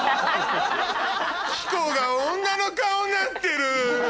希子が女の顔になってる！